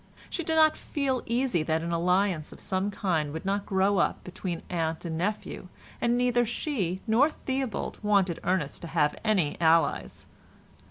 She did not feel easy that an alliance of some kind would not grow up between aunt and nephew, and neither she nor Theobald wanted Ernest to have any allies.